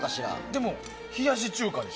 でも、冷やし中華です。